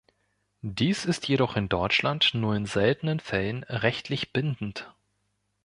Dies ist jedoch in Deutschland nur in seltenen Fällen rechtlich bindend.